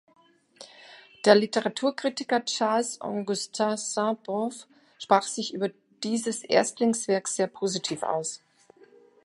Der Literaturkritiker Charles-Augustin Sainte-Beuve sprach sich über dieses Erstlingswerk sehr positiv aus.